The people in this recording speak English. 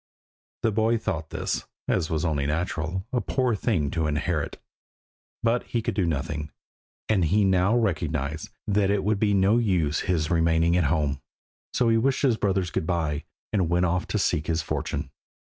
The boy thought this, as was only natural, a poor thing to inherit, but he could do nothing, and he now recognised that it would be no use his remaining at home, so he wished his brothers good bye, and went off to seek his fortune.